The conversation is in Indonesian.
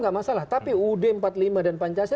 tidak masalah tapi ud empat puluh lima dan pancasila